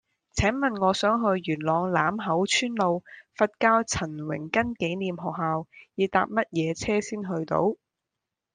請問我想去元朗欖口村路佛教陳榮根紀念學校要搭乜嘢車先去到